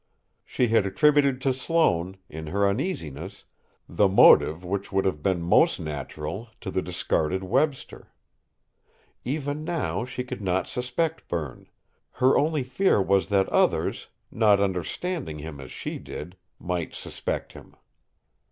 She had attributed to Sloane, in her uneasiness, the motive which would have been most natural to the discarded Webster. Even now, she could not suspect Berne; her only fear was that others, not understanding him as she did, might suspect him!